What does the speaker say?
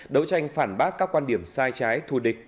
đấu tranh phản bác các quan điểm sai trái thù địch